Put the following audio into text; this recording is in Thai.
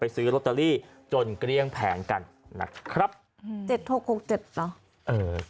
ไปซื้อโรตเตอรี่จนเกลี้ยงแผ่นกันนะครับ๗๖๖๗หรอ